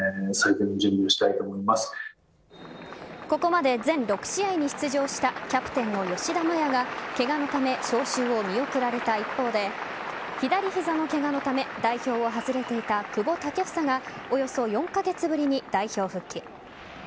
ここまで全６試合に出場したキャプテンの吉田麻也がケガのため招集を見送られた一方で左膝のケガのため代表を外れていた久保建英がおよそ４カ月ぶりに代表復帰。